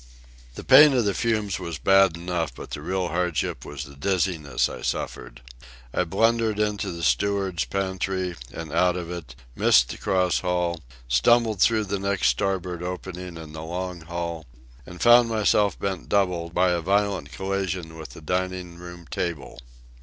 The pain of the fumes was bad enough, but the real hardship was the dizziness I suffered. I blundered into the steward's pantry, and out of it, missed the cross hall, stumbled through the next starboard opening in the long hall, and found myself bent double by violent collision with the dining room table.